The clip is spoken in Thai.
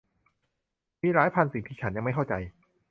มีหลายพันสิ่งที่ฉันยังไม่เข้าใจ